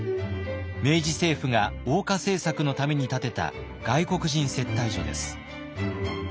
明治政府が欧化政策のために建てた外国人接待所です。